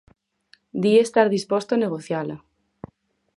Di estar disposto a negociala.